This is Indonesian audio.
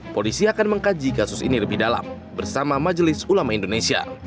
polisi akan mengkaji kasus ini lebih dalam bersama majelis ulama indonesia